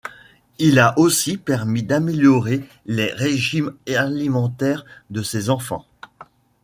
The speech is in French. Il a aussi permis d'améliorer les régimes alimentaires de ces enfants.